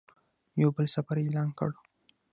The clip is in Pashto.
یو بل سفر یې اعلان کړ.